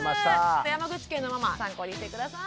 山口県のママ参考にして下さい。